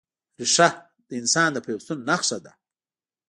ریښه د انسان د پیوستون نښه ده.